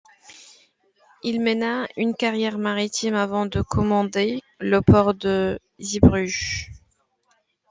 Il mena une carrière maritime avant de commander le port de Zeebruges.